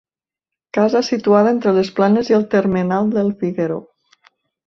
Casa situada entre les Planes i el termenal del Figueró.